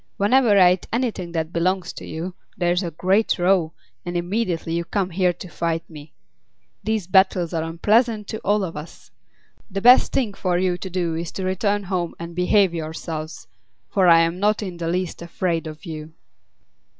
Whenever I eat anything that belongs to you, there is a great row, and immediately you come here to fight me. These battles are unpleasant to all of us. The best thing for you to do is to return home and behave yourselves; for I am not in the least afraid of you."